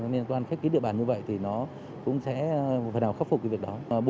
nên quan khách ký địa bàn như vậy thì nó cũng sẽ phần nào khắc phục cái việc đó